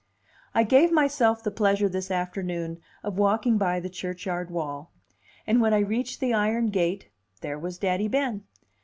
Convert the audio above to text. I gave myself the pleasure this afternoon of walking by the churchyard wall; and when I reached the iron gate, there was Daddy Ben.